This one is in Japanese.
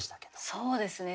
そうですね。